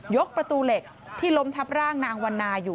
ประตูเหล็กที่ล้มทับร่างนางวันนาอยู่